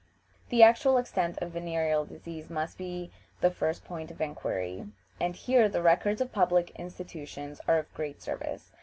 The actual extent of venereal disease must be the first point of inquiry, and here the records of public institutions are of great service.